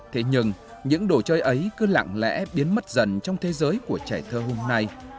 thế nhưng những đồ chơi ấy cứ lặng lẽ biến mất dần trong thế giới của trẻ thơ hôm nay